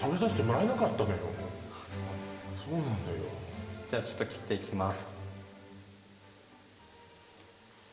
そうですかそうなのよじゃちょっと切っていきます